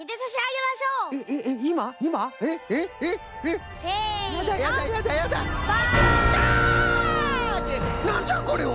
ってなんじゃこれは！？